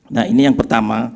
nah ini yang pertama